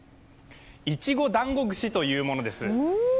いちご団子串というものです。